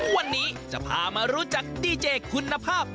วันนี้จะพามารู้จักดีเจคุณภาพ